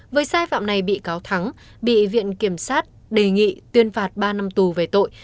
với sai phạm này bị cáo thắng bị viện kiểm sát đề nghị tuyên phạt ba năm tù về tội